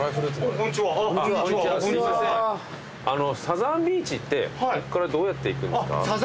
サザンビーチってこっからどうやって行くんですか？